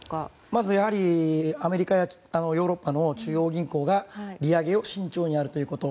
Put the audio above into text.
まずアメリカやヨーロッパの中央銀行が利上げを慎重にやるということ。